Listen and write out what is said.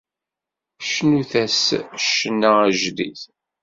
Cnut-as ccna ajdid!